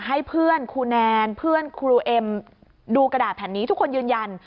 ให้เพื่อนครูแนนเพื่อนครูเอ็มดูกระดาษแผ่นนี้ทุกคนยืนยัน